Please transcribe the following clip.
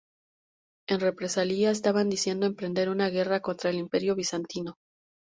En represalia, Esteban decidió emprender una guerra contra el Imperio bizantino.